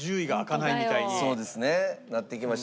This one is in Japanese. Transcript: そうですねなってきました。